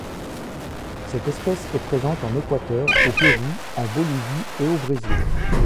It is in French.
Cette espèce est présente en Équateur, au Pérou, en Bolivie et au Brésil.